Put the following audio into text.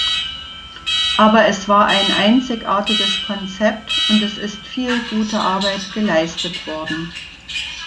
Aber es war ein einzigartiges Konzept, und es ist viel gute Arbeit geleistet worden.